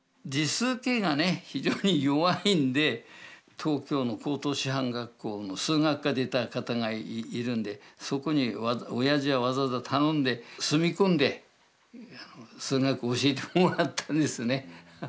東京の高等師範学校の数学科出た方がいるんでそこにおやじはわざわざ頼んで住み込んで数学教えてもらったんですね。